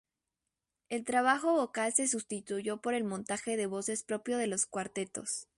El trabajo vocal se sustituyó por el montaje de voces propio de los cuartetos.